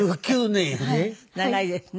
長いですね。